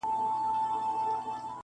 • کله به رسوا سي، وايي بله ورځ -